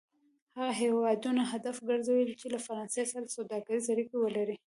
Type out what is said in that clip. هغه هېوادونه هدف کرځوي چې له فرانسې سره سوداګریزې اړیکې ولري.